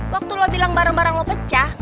waktu lo tilang barang barang lo pecah